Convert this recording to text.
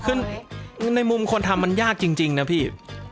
คือในมุมคนทำมันยากจริงนะพี่